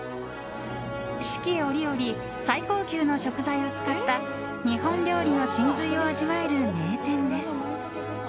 四季折々、最高級の食材を使った日本料理の神髄を味わえる名店です。